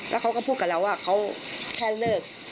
แล้วเขาก็พูดกับเราว่าเขาแค่เลิก